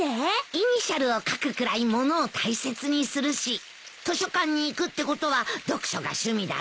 イニシャルを書くくらい物を大切にするし図書館に行くってことは読書が趣味だろ？